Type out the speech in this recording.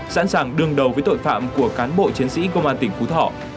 sẵn sàng đường đầu với tội phạm của cán bộ chiến sĩ công an tỉnh phú thỏ